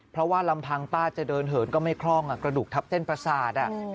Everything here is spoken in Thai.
เพราะว่าลำพังป้าจะเดินเหินก็ไม่คล่องกระดูกทับเส้นประสาท